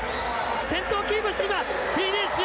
先頭をキープして今フィニッシュ！